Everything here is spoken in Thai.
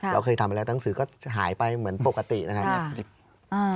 เราเคยทำไปแล้วหนังสือก็หายไปเหมือนปกตินะครับ